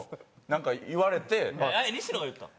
西野が言ったの？